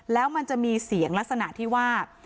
แล้วมันจะมีเสียงลักษณะที่ว่า